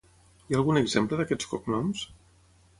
Hi ha algun exemple d'aquests cognoms?